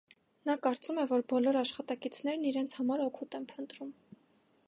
Նա կարծում է, որ բոլոր աշխատակիցներն իրենց համար օգուտ են փնտրում։